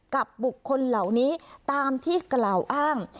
กับบุคคลเหล่านี้ตามที่กล่าวอ้าง